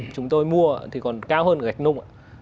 chúng tôi mua thì còn cao hơn gạch nung ạ